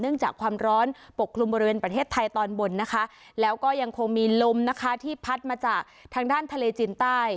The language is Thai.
จากความร้อนปกคลุมบริเวณประเทศไทยตอนบนนะคะแล้วก็ยังคงมีลมนะคะที่พัดมาจากทางด้านทะเลจีนใต้